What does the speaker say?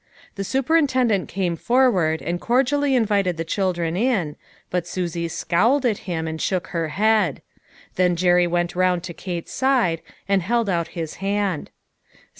The su perintendent came forward and cordially invited the children in, but Susie scowled at him and shook her head. Then Jerry went around to Sate's side and held out his hand.